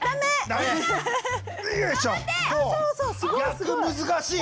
逆難しい！